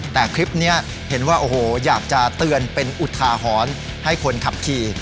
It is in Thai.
แต่คลิปนี้เห็นว่าโอ้โหอยากจะเตือนเป็นอุทาหรณ์ให้คนขับขี่